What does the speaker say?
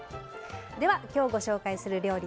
では今日ご紹介する料理です。